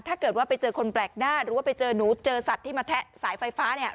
ถ้าเกิดว่าไปเจอคนแปลกหน้าหรือว่าไปเจอหนูเจอสัตว์ที่มาแทะสายไฟฟ้าเนี่ย